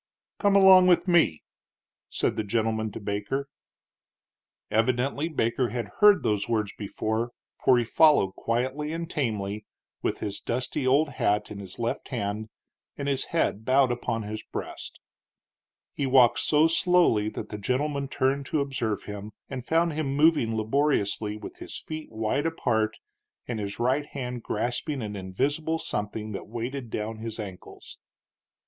"Come along with me," said the gentleman to Baker. Evidently Baker had heard those words before, for he followed quietly and tamely, with his dusty old hat in his left hand and his head bowed upon his breast. He walked so slowly that the gentleman turned to observe him, and found him moving laboriously, with his feet wide apart and his right hand grasping an invisible something that weighted down his ankles.